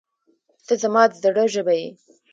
• ته زما د زړه ژبه یې.